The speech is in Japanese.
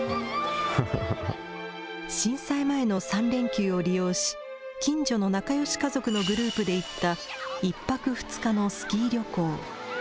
連休を利用し、近所の仲よし家族のグループで行った、１泊２日のスキー旅行。